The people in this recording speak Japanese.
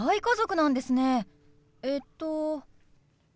えっと？